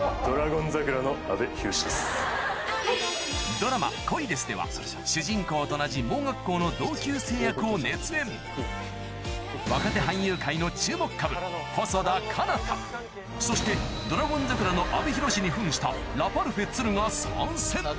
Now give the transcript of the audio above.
ドラマ『恋です！』では主人公と同じ盲学校の同級生役を熱演若手俳優界の注目株そして『ドラゴン桜』の阿部寛に扮したラパルフェ・都留が参戦